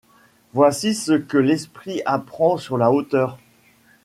Voici ce que l’esprit apprend sur la hauteur :